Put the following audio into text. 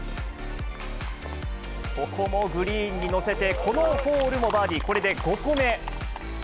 ここもグリーンに載せて、このホールもバーディー、これで５個目。